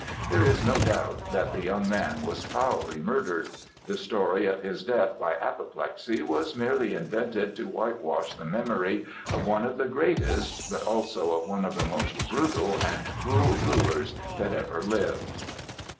There is no doubt that the young man was foully murdered. The story of his death by apoplexy was merely invented to whitewash the memory of one of the greatest, but also of one of the most brutal and cruel rulers that ever lived.